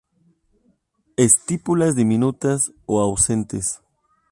Estípulas diminutas o ausentes.